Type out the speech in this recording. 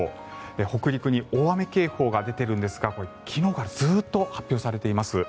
北陸に大雨警報が出ているんですがこれは昨日からずっと発表されています。